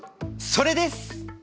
それです！